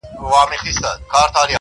که به ډنډ ته د سېلۍ په زور رسېږم.!